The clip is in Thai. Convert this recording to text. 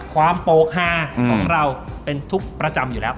โปกฮาของเราเป็นทุกข์ประจำอยู่แล้ว